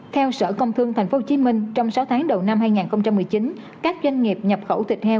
theo sở công thương tp hcm trong sáu tháng đầu năm hai nghìn một mươi chín các doanh nghiệp nhập khẩu thịt heo